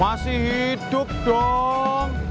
masih hidup dong